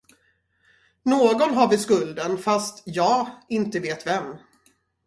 Någon har väl skulden, fast jag inte vet vem.